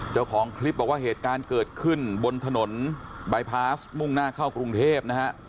เจ้าของคลิปบอกว่าเหตุการณ์เกิดขึ้นบนถนนบายพาสมุ่งหน้าเข้ากรุงเทพนะฮะ